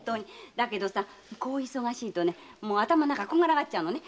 だけどこう忙しいと頭がこんがらがっちゃうのね。